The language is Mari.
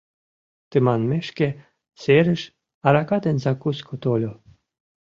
Тыманмешке серыш арака ден закуска тольо.